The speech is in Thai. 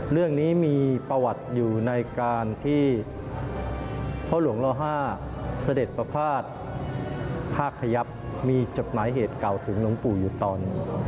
เรื่องนี้มีประวัติอยู่ในการที่พระหลวงล๕เสด็จประพาทภาคพยับมีจดหมายเหตุเก่าถึงหลวงปู่อยู่ตอน